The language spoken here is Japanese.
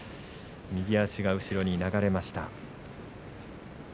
右足が後ろに流れました。